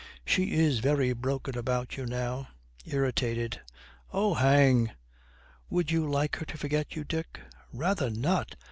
'She is very broken about you now.' Irritated, 'Oh, hang!' 'Would you like her to forget you, Dick?' 'Rather not.